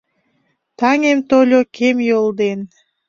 Таҥем тольо кем йол ден